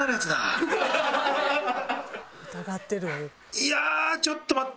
いやちょっと待って。